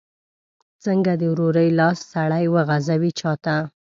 څنګه د ورورۍ لاس سړی وغځوي چاته؟